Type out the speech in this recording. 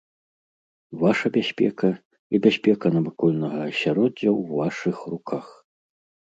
Ваша бяспека і бяспека навакольнага асяроддзя ў вашых руках.